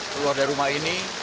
sampai dia keluar dari rumah ini